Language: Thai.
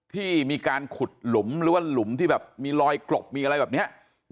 ที่มีการขุดหลุมหรือว่าหลุมที่แบบมีรอยกลบมีอะไรแบบนี้